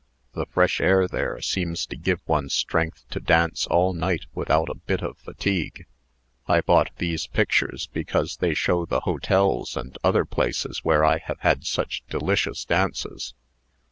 The fresh air there seems to give one strength to dance all night without a bit of fatigue. I bought these pictures because they show the hotels and other places where I have had such delicious dances."